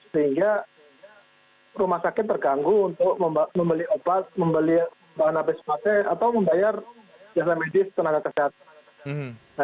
sehingga perumah sakit terganggu untuk membeli obat membeli bahan abis abis atau membayar biasa medis tenaga kesehatan